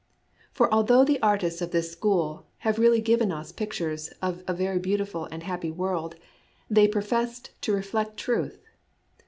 For although the artists of this school have really given us pictures of a very beauti ful and happy world, they professed to reflect truth.